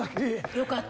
よかった！